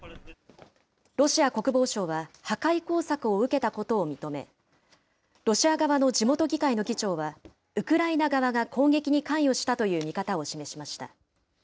ロシア国防省は破壊工作を受けたことを認め、ロシア側の地元議会の議長は、ウクライナ側が攻撃に関与したという見方を示しました。